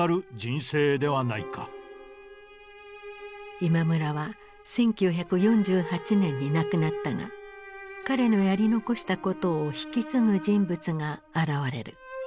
今村は１９４８年に亡くなったが彼のやり残したことを引き継ぐ人物が現れる。